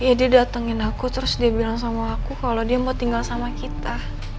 ya dia datengin aku terus dia bilang sama aku kalau dia mau tinggal sama kita